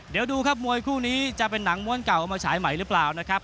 เดี๋ยวดูครับมวยคู่นี้จะเป็นหนังม้วนเก่ามาฉายใหม่หรือเปล่านะครับ